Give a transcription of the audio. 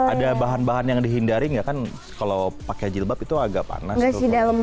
ada bahan bahan yang dihindari nggak kan kalau pakai jilbab itu agak panas tuh